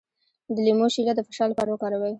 د لیمو شیره د فشار لپاره وکاروئ